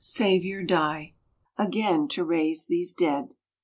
Saviour, die Again, to raise these dead